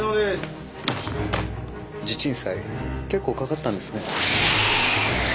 地鎮祭結構かかったんですね。